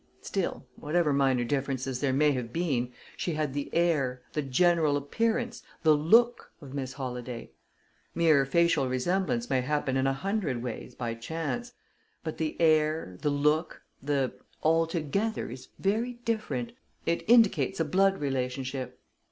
Still, whatever minor differences there may have been, she had the air, the general appearance, the look of Miss Holladay. Mere facial resemblance may happen in a hundred ways, by chance; but the air, the look, the 'altogether' is very different it indicates a blood relationship.